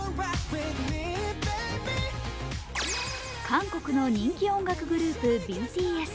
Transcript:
韓国の人気音楽グループ・ＢＴＳ。